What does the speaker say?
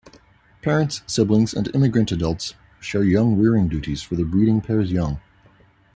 Parents, siblings, and immigrant adults share young rearing duties for the breeding pair's young.